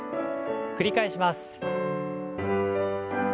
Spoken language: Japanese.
繰り返します。